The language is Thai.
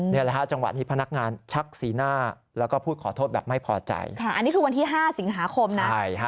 นี่แหละฮะจังหวะนี้พนักงานชักสีหน้าแล้วก็พูดขอโทษแบบไม่พอใจค่ะอันนี้คือวันที่๕สิงหาคมนะ